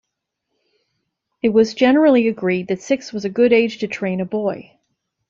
It was generally agreed that six was a good age to train a boy.